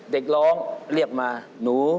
เด็กร้องเรียกมาหนู